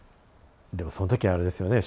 でもその時あれですよね